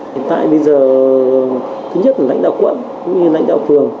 hiện tại bây giờ thứ nhất là lãnh đạo quận cũng như lãnh đạo phường